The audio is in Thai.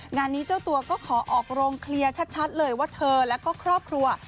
งานนี้เจ้าตัวก็ขอออกโรงเคลียร์ชัดเลยว่าเธอแล้วก็ครอบครัว